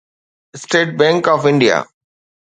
state Bank of India